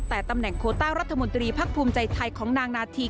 แต่ตำแหน่งโคต้ารัฐมนตรีพักภูมิใจไทยของนางนาธี